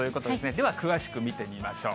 では詳しく見てみましょう。